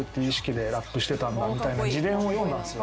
みたいな自伝を読んだんすよ